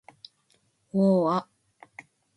を―あ